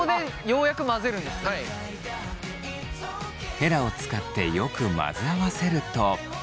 ヘラを使ってよく混ぜ合わせると。